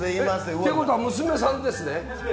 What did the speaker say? ってことは娘さんですね。